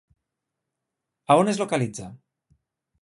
A on es localitza?